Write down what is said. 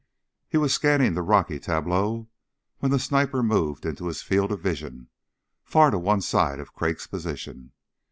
He was scanning the rocky tableau when the sniper moved into his field of vision, far to one side of Crag's position.